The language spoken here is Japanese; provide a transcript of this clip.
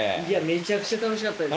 めちゃくちゃ楽しかったです。